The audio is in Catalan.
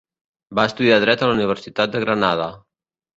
Va estudiar Dret a la Universitat de Granada.